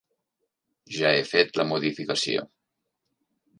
Ja he fet la modificació.